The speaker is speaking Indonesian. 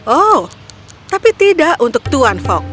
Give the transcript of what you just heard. oh tapi tidak untuk tuan fok